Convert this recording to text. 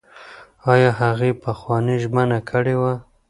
ایا هغې پخوانۍ ژمنه کړې وه؟